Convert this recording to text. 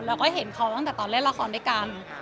แล้วก็เห็นเขาตั้งแต่ตอนเล่นละครด้วยกัน